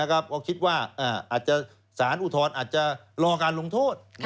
ก็คิดว่าสารอุทธรณ์อาจจะรอการลงโทษ